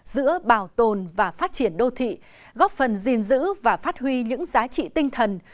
giữa bảo tồn và phát triển đô thị góp phần gìn giữ và phát huy những giá trị tinh thần